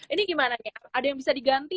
ini gimana ya ada yang bisa diganti